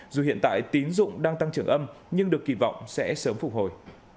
dù hiện tại tín dụng đang tăng trưởng âm nhưng được kỳ vọng sẽ sớm phục hồi